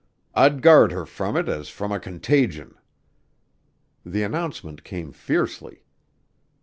I'd guard her from it as from a contagion." The announcement came fiercely.